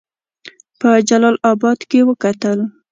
په جلا آباد کې وکتل.